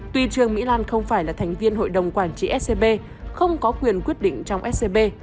tuy trương mỹ lan không phải là thành viên hội đồng quản trị scb không có quyền quyết định trong scb